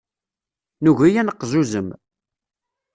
Nugi ad neqzuzem.